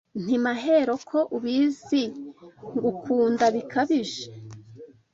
Nti: Mahero ko ubizi Ngukunda bikabije